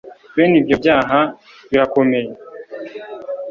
bene ibyo byaha birakome